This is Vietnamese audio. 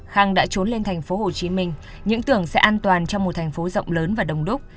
khang đã trốn lên thành phố hồ chí minh những tưởng sẽ an toàn cho một thành phố rộng lớn và đông đúc